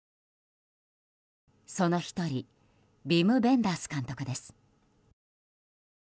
その１人ヴィム・ヴェンダース監督です。